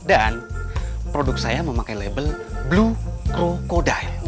dan produk saya memakai label blue crocodile